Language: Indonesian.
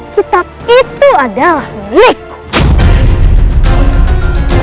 kitab itu adalah milikku